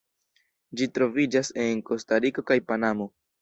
Ĝi troviĝas en Kostariko kaj Panamo.